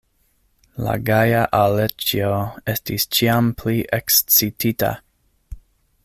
La gaja Aleĉjo estis ĉiam pli ekscitita.